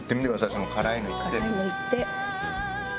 辛いのいって。